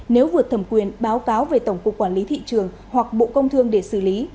nếu vượt thẩm quyền báo cáo về tổng cục quản lý thị trường hoặc bộ công thương để xử lý